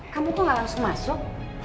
kamu tuh gak langsung masuk